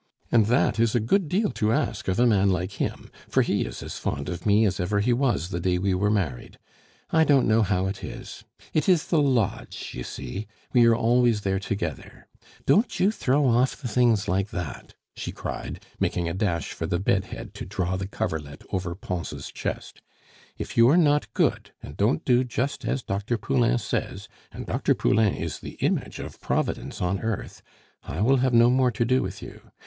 And that is a good deal to ask of a man like him, for he is as fond of me as ever he was the day we were married. I don't know how it is. It is the lodge, you see; we are always there together! Don't you throw off the things like that!" she cried, making a dash for the bedhead to draw the coverlet over Pons' chest. "If you are not good, and don't do just as Dr. Poulain says and Dr. Poulain is the image of Providence on earth I will have no more to do with you.